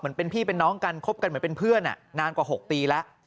เป็นพี่เป็นน้องกันคบกันเหมือนเป็นเพื่อนนานกว่า๖ปีแล้ว